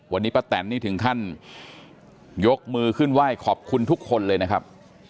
วันนี้ป้าแตนนี่ถึงขั้นยกมือขึ้นไหว้ขอบคุณทุกคนเลยนะครับ